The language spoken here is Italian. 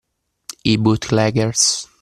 I bootleggers.